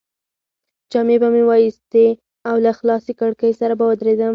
جامې به مې وایستې او له خلاصې کړکۍ سره به ودرېدم.